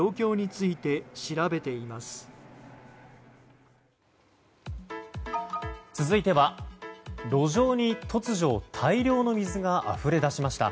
続いては、路上に突如大量の水があふれ出しました。